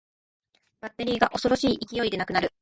バッテリーが恐ろしい勢いでなくなる